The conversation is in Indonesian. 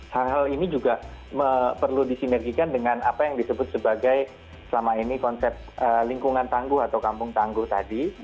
hal hal ini juga perlu disinergikan dengan apa yang disebut sebagai selama ini konsep lingkungan tangguh atau kampung tangguh tadi